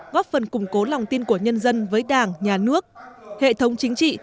góp phần củng cố lòng tin của nhân dân với đảng nhà nước hệ thống chính trị